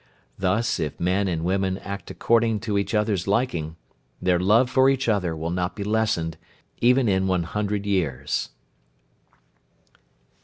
Thus if men and women act according to each other's liking, their love for each other will not be lessened even in one hundred years."